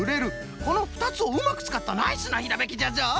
このふたつをうまくつかったナイスなひらめきじゃぞ！